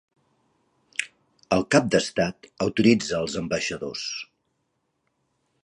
El cap d'estat autoritza els ambaixadors.